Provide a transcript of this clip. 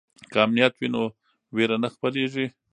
که امنیت وي نو ویره نه خپریږي.